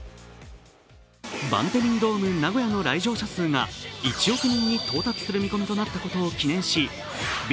バンテリンドームナゴヤの来場者数が１億人に到達する見込みとなったことを記念誌、Ｂ